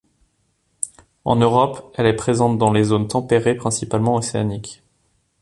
En Europe elle est présente dans les zones tempérées principalement océaniques.